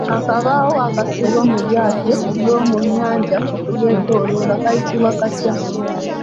Akabaawo akasibwa mu lyato ly'omu nnyanja okulyetooloola kayitibwa katya?